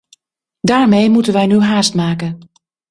Daarmee moeten wij nu haast maken.